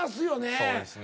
そうですね。